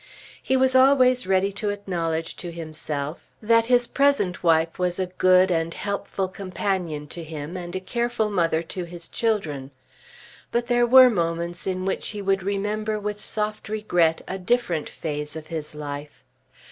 He was always ready to acknowledge to himself that his present wife was a good and helpful companion to him and a careful mother to his children; but there were moments in which he would remember with soft regret a different phase of his life.